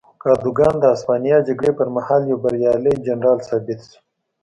کادوګان د هسپانیا جګړې پر مهال یو بریالی جنرال ثابت شو.